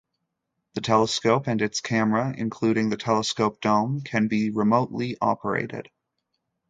The telescope and its camera, including the telescope dome, can be remotely operated.